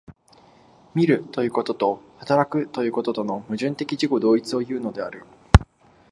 見るということと働くということとの矛盾的自己同一をいうのである。